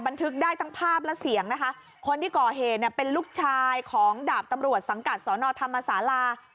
บันทึกได้ทั้งภาพและเสียงนะคะคนที่ก่อเหตุเนี่ยเป็นลูกชายของดาบตำรวจสังกัดสอนอธรรมศาลา